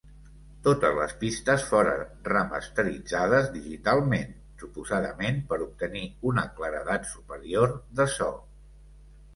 Totes les pistes foren remasteritzades digitalment, suposadament per obtenir una claredat superior de so.